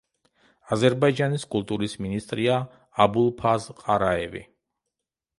აზერბაიჯანის კულტურის მინისტრია აბულფაზ ყარაევი.